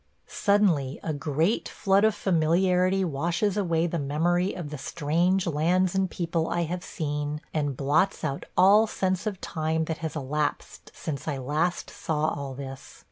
Suddenly a great flood of familiarity washes away the memory of the strange lands and people I have seen and blots out all sense of time that has elapsed since I last saw all this.